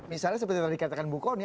misalnya seperti tadi katakan bu kony